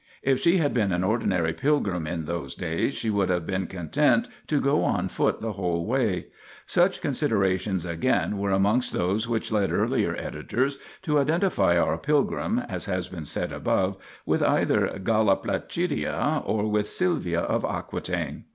If she had been an ordinary pilgrim in those days she would have been content to go on foot the whole way. 1 Such considerations again were amongst those which led earlier editors to identify our pilgrim, as has been said above, with cither Galla Placidia or with Silvia of Aquitaine.